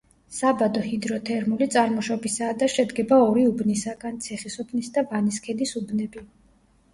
საბადო ჰიდროთერმული წარმოშობისაა და შედგება ორი უბნისაგან: ციხისუბნის და ვანისქედის უბნები.